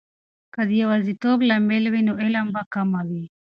که د یواځیتوب لامل وي، نو علم به کمه وي.